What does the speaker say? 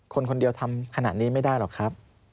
คนคนเดียวทำขนาดนี้ไม่ได้หรอกครับ